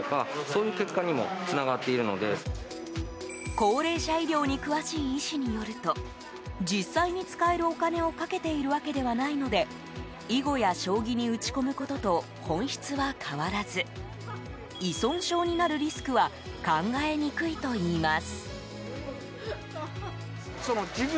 高齢者医療に詳しい医師によると実際に使えるお金を賭けているわけではないので囲碁や将棋に打ち込むことと本質は変わらず依存症になるリスクは考えにくいといいます。